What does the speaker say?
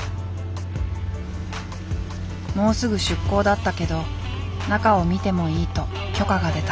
もうすぐ出航だったけど中を見てもいいと許可が出た。